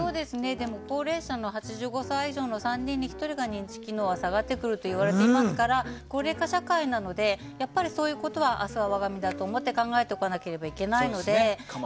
でも、高齢者の８５歳以上の３人に１人が認知機能が下がってくるといわれていますから高齢化社会なので明日は我が身だと思って考えておかなければいけないので。